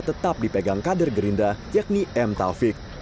tetap dipegang kader gerindra yakni m taufik